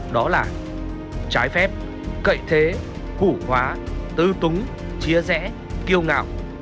đó là trái phép cậy thế củ hóa tư túng chia rẽ kiêu ngạo